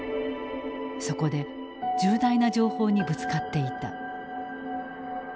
そこで重大な情報にぶつかっていた。